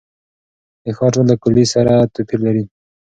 د ښار ژوند له کلي سره توپیر لري.